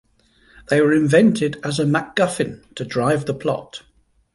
They were invented as a MacGuffin to drive the plot.